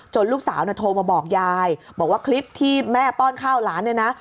ลูกสาวโทรมาบอกยายบอกว่าคลิปที่แม่ป้อนข้าวหลานเนี่ยนะ